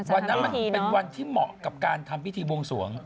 วันนั้นมันเป็นวันที่เหมาะกับการทำพิธีวงศวง